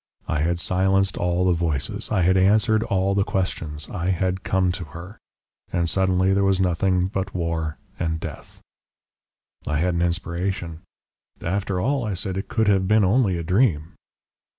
I had silenced all the voices, I had answered all the questions I had come to her. And suddenly there was nothing but War and Death!" I had an inspiration. "After all," I said, "it could have been only a dream."